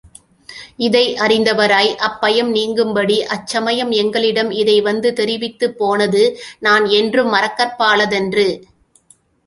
இதை அறிந்தவராய், அப் பயம் நீங்கும்படி அச்சமயம் எங்களிடம் இதை வந்து தெரிவித்துப் போனது நான் என்றும் மறக்கற்பாலதன்று.